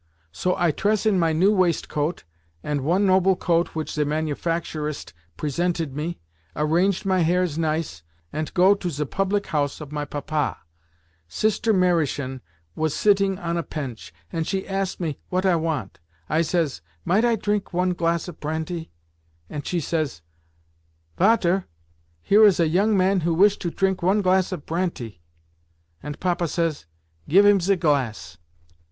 So I tress in my new waistcoat and one noble coat which ze manufacturist presented me, arranged my hairs nice, ant go to ze public house of my Papa. Sister Mariechen vas sitting on a pench, and she ask me what I want. I says, 'Might I trink one glass of pranty?' ant she says, 'Vater, here is a yong man who wish to trink one glass of pranty.' Ant Papa says, 'Give him ze glass.